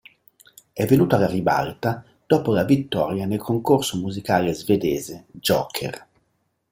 È venuto alla ribalta dopo la vittoria nel concorso musicale svedese "Joker".